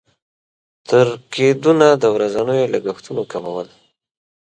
تر کېدونه د ورځنيو لګښتونو کمول.